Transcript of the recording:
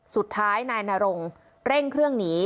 สุดท้ายนายนรงเร่งเครื่องหนี